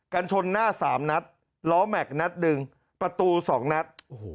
กันชนหน้าสามนัดล้อแม็กซ์นัดหนึ่งประตูสองนัดโอ้โห